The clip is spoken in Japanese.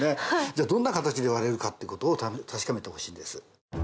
じゃあどんな形で割れるかってことを確かめてほしいんです。